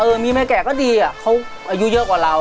มีแม่แก่ก็ดีอะเขาอายุเยอะกว่าเรา